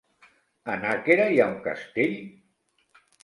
A Nàquera hi ha un castell?